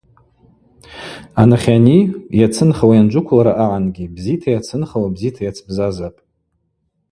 Анахьани, йацынхауа йанджвыквылра агӏангьи бзита йацынхауа бзита йацбзазахпӏ.